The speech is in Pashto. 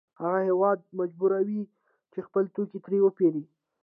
هغه هېواد مجبوروي چې خپل توکي ترې وپېري